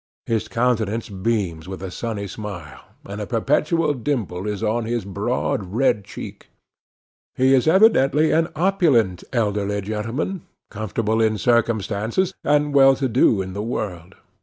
His countenance beams with a sunny smile, and a perpetual dimple is on his broad, red cheek. He is evidently an opulent elderly gentleman, comfortable in circumstances, and well to do in the world.